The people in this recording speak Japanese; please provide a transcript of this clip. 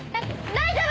大丈夫。